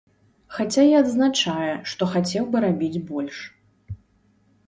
Хаця і адзначае, што хацеў бы рабіць больш.